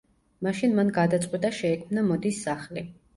მაშინ მან გადაწყვიტა შეექმნა მოდის სახლი.